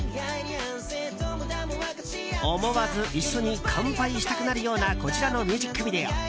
思わず一緒に乾杯したくなるようなこちらのミュージックビデオ。